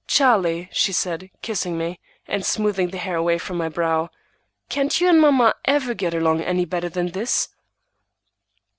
"Charlie," she said, kissing me, and smoothing the hair away from my brow, "can't you and mamma ever get along any better than this?"